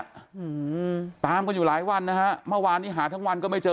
อืมตามกันอยู่หลายวันนะฮะเมื่อวานนี้หาทั้งวันก็ไม่เจอ